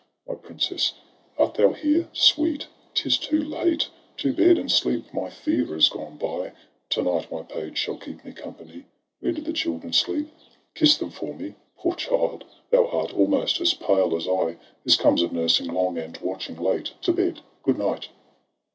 — My princess, art thou there ? Sweet, 'tis too late ! To bed, and sleep ! my fever is gone by ; To night my page shall keep me company. Where do the children sleep ? kiss them for me ! Poor child, thou art almost as pale as I; TRISTRAM AND ISEULT. 205 This comes of nursing long and watching late. To bed — good night!